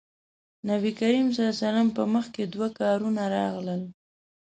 نبي کريم ص په مخکې دوه کارونه راغلل.